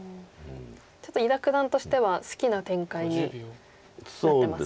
ちょっと伊田九段としては好きな展開になってますか？